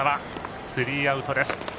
スリーアウトです。